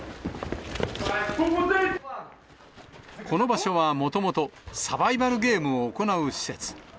この場所はもともと、サバイバルゲームを行う施設。